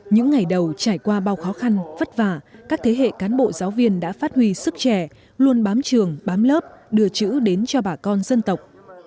những ngày đầu trải qua bao khó khăn vất vả các thế hệ cán bộ giáo viên đã phát huy sức trẻ luôn bám trường bám lớp đưa chữ đến cho bà con dân tộc